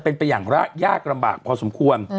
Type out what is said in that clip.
เป็นไปอย่างยากลำบากพอสมควร